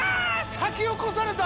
先を越された！